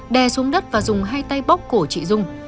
đè xuống đất và dùng hai tay bóc cổ chị dung